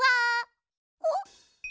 おっ？